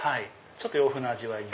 洋風な味わいに。